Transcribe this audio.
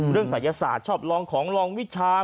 เรื่องศักดิ์ยศาสตร์ชอบลองของลองวิชาม